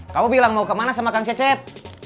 kamu bilang mau kemana saya makan cecep